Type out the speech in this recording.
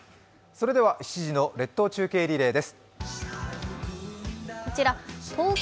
それでは７時の列島中継リレーです。